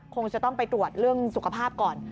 คงจะต้องไปตรวจเรื่องสุขภาพก่อน